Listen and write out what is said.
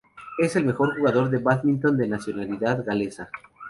Es el mejor jugador de bádminton de nacionalidad galesa.